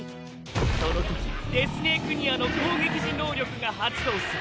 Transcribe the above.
そのときデスネークニアの攻撃時能力が発動する。